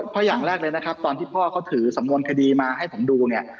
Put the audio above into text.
เพราะอย่างแรกเลยนะครับตอนที่พ่อเขาถือสำนวนคดีมาให้ผมดูเนี่ย